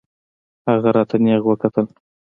هغه راته نېغ وکتل.